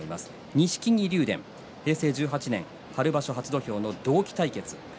錦木と竜電、平成１８年春場所初土俵の同期対決。